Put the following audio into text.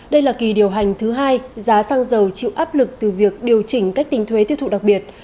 đây là kỳ điều hành thứ hai giá xăng dầu chịu áp lực từ việc điều chỉnh cách tính thuế tiêu thụ đặc biệt